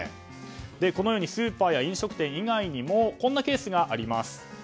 このようにスーパーや飲食店以外にもこんなケースがあります。